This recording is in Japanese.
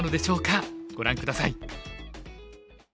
ご覧下さい。